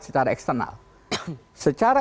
secara eksternal secara